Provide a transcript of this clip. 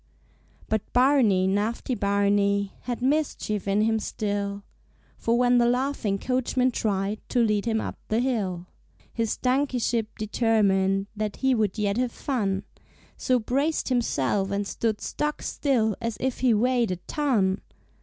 But Barney, naughty Barney, Had mischief in him still; For when the laughing coachman tried To lead him up the hill, His donkeyship determined That he would yet have fun, So braced himself and stood stock still As if he weighed a ton!